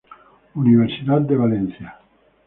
Universidad de Valencia.